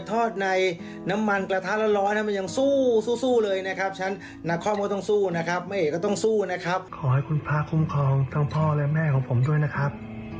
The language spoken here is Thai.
ขอให้คุณพระคุ้มครองทั้งพ่อและแม่ของผมด้วยนะครับ